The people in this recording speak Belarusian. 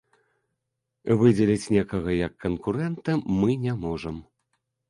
Выдзеліць некага як канкурэнта мы не можам.